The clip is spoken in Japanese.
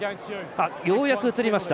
ようやく映りました。